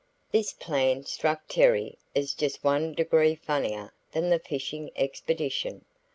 This plan struck Terry as just one degree funnier than the fishing expedition.